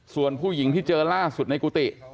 ส่วนผู้หญิงที่เจอล่าสุดในกุฏิ